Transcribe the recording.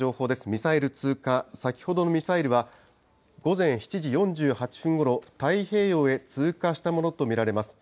ミサイル通過、先ほどのミサイルは、午前７時４８分ごろ、太平洋へ通過したものと見られます。